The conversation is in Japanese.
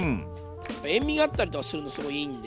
塩みがあったりとかするとすごいいいんで。